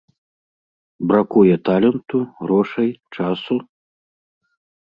Бракуе таленту, грошай, часу?